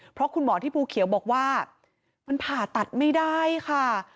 เพราะคุณหมอที่ภูเขียวบอกว่ามันผ่าตัดไม่ได้ค่ะ